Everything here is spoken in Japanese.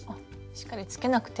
しっかりつけなくて。